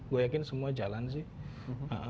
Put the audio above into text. gue yakin semua jalan sih